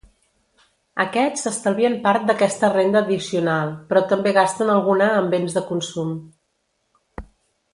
Aquests estalvien part d'aquesta renda addicional, però també gasten alguna en béns de consum.